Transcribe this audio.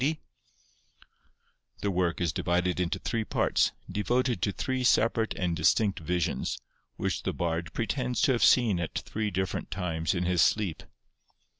The work is divided into three parts, devoted to three separate and distinct visions, which the Bard pretends to have seen at three different times in his sleep.